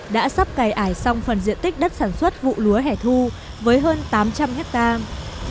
đã sắp cày ải xong phần diện tích đất sản xuất vụ lúa hẻ thu với hơn tám trăm linh hectare